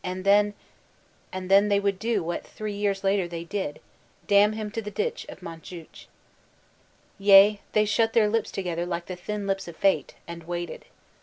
And then " And then they would do what three years later they did,— ^afUM him to the ditch of Montjuich. Yea, they shut their lips together like the thin lips of Fate and — ^waited.